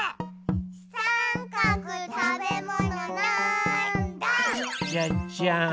さんかくたべものなんだ？じゃじゃん！